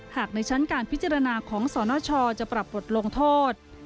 หากในชั้นการพิจารณาของสนชจะปรับบทลงโทษ